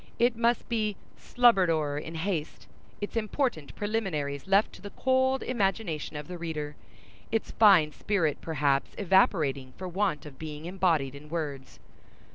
It must be "slubber'd o'er in haste"—its important preliminaries left to the cold imagination of the reader—its fine spirit perhaps evaporating for want of being embodied in words.